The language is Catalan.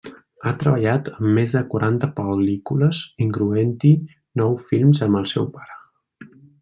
Ha treballat en més de quaranta pel·lícules, incloent-hi nou films amb el seu pare.